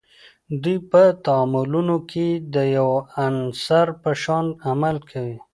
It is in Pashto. دوی په تعاملونو کې د یوه عنصر په شان عمل کوي.